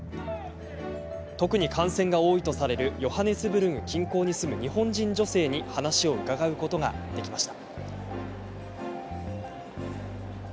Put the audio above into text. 特に感染が多いとされるヨハネスブルク近郊に住む日本人女性に話を伺うことができました。